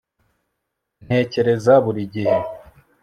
ntekereza buri gihe